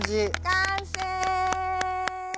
完成！